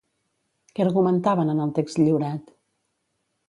Què argumentaven en el text lliurat?